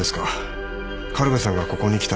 苅部さんがここに来た証拠は。